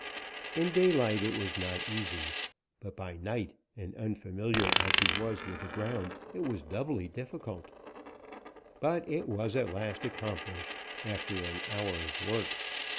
In daylight, it was not easy, but by night, and unfamiliar as he was with the ground, it was doubly difficult. But it was at last accomplished, after an hour's work.